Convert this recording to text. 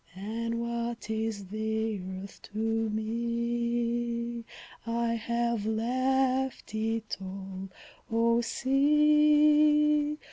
And what is the Earth to me! I have left it all, O Sea!